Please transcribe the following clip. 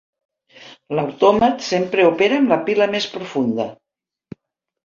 L'autòmat sempre opera amb la pila més profunda.